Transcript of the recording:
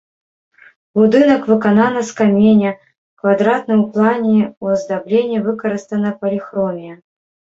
Будынак выканана з каменя, квадратны ў плане, у аздабленні выкарыстана паліхромія.